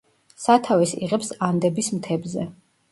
სათავეს იღებს ანდების მთებზე.